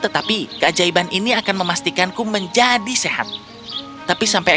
tamannya hidup lagi